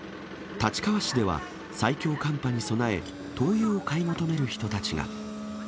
立川市では、最強寒波に備え、灯油を買い求める人たちが。